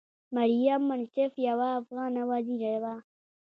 مریم منصف یوه افغانه وزیره وه.